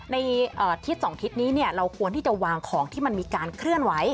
ในทิศ๒ทิศนี้เราควรที่จะวางของที่มันมีการเคลื่อนไหว